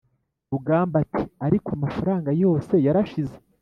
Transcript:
rugamba ati: "ariko amafaranga yose yarashize,